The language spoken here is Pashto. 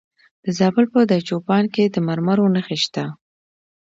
د زابل په دایچوپان کې د مرمرو نښې شته.